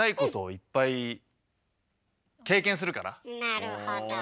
なるほど。